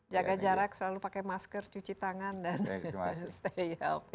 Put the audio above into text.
jaga jarak selalu pakai masker cuci tangan dan stay head